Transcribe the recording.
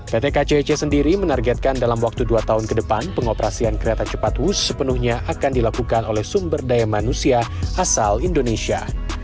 pt kcic sendiri menargetkan dalam waktu dua tahun ke depan pengoperasian kereta cepat wus sepenuhnya akan dilakukan oleh sumber daya manusia asal indonesia